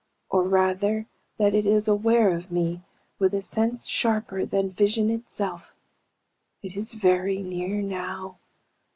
Or rather that it is aware of me with a sense sharper than vision itself. It is very near now.